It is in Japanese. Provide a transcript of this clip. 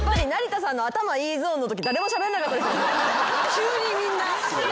急にみんな。